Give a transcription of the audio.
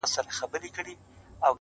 • هر ځای شړکنده باران راپسي ګرځي -